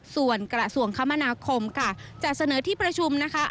ส่วนกระทรวงคมนาคมค่ะจะเสนอที่ประชุมนะคะ